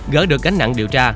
gỡ được cánh nặng điều tra